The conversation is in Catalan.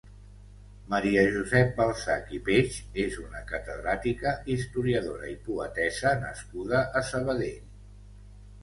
Maria Josep Balsach i Peig és una catedràtica, historiadora i poetessa nascuda a Sabadell.